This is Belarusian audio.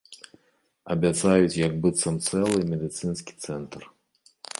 Абяцаюць як быццам цэлы медыцынскі цэнтр.